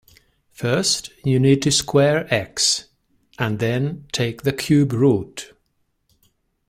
First you need to square x, and then take the cube root.